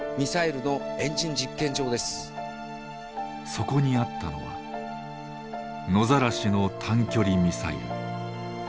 そこにあったのは野ざらしの短距離ミサイル。